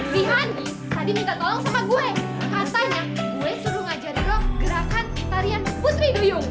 si hani tadi minta tolong sama gue katanya gue suruh ngajarin lo gerakan tarian putri duyung